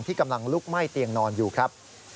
กำลังลุกไหม้เตียงนอนอยู่ครับ